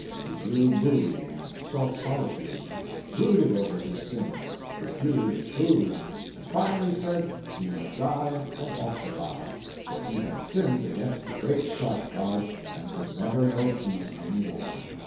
He grew moody and sought solitude; brooded over his sin, refused food, and finally said he must die and ought to die, for he had sinned against the Great Shark God and could never know peace any more.